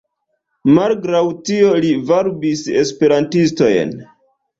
Malgraŭ tio li varbis Esperantistojn.